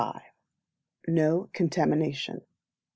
No Contamination.